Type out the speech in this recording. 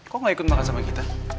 kok gak ikut makan sama kita